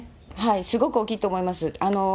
すごく大きいと思います。